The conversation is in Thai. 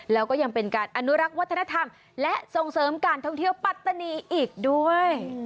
แล้วก็ยังเป็นการอนุรักษ์วัฒนธรรมและส่งเสริมการท่องเที่ยวปัตตานีอีกด้วย